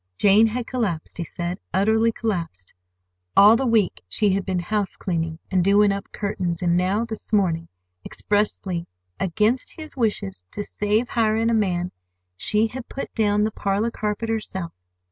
Jane had collapsed, he said, utterly collapsed. All the week she had been house cleaning and doing up curtains; and now this morning, expressly against his wishes, to save hiring a man, she had put down the parlor carpet herself.